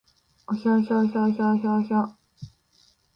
おひょひょひょひょひょひょ